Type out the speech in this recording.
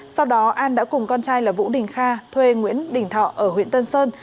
sau đó an đã cùng con trai là vũ đình kha thuê nguyễn đình thọ ở huyện tân sơn